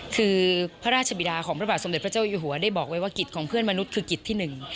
คือพระราชบิดาของพระบาทสมเด็จพระเจ้าอยู่หัวได้บอกไว้ว่ากิจของเพื่อนมนุษย์คือกิจที่หนึ่ง